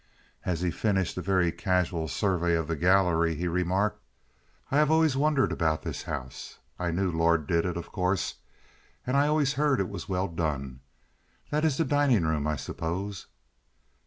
As he finished a very casual survey of the gallery he remarked: "I have always wondered about this house. I knew Lord did it, of course, and I always heard it was well done. That is the dining room, I suppose?"